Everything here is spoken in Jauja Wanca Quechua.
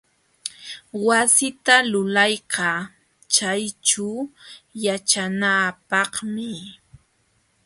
Wasita lulaykaa chayćhuu yaćhanaapaqmi.